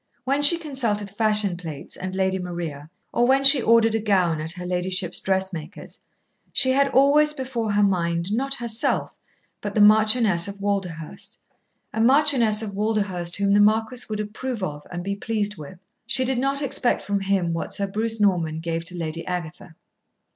When she consulted fashion plates and Lady Maria, or when she ordered a gown at her ladyship's dressmaker's, she had always before her mind, not herself, but the Marchioness of Walderhurst a Marchioness of Walderhurst whom the Marquis would approve of and be pleased with. She did not expect from him what Sir Bruce Norman gave to Lady Agatha.